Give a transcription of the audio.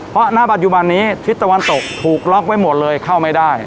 เพราะณปัจจุบันนี้ทิศตะวันตกถูกล็อกไว้หมดเลยเข้าไม่ได้